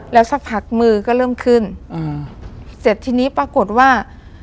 แล้วสักพักมือก็เริ่มขึ้นอืมเสร็จทีนี้ปรากฏว่า